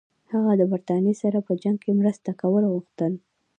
هغه د برټانیې سره په جنګ کې مرسته کول غوښتل.